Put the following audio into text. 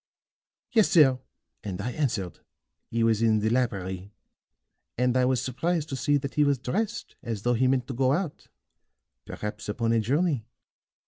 "Yes, sir; and I answered. He was in the library, and I was surprised to see that he was dressed as though he meant to go out perhaps upon a journey.